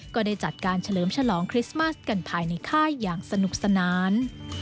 ก็ได้จัดการเฉลิมฉลองคริสต์มัสกันภายในค่ายอย่างสนุกสนาน